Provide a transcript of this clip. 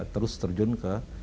terus terjun ke